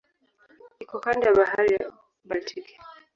Iko kando ya Bahari ya Baltiki.